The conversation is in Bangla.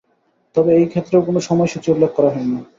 তবে এই ক্ষেত্রেও কোনো সময়সূচি উল্লেখ করা হয়নি।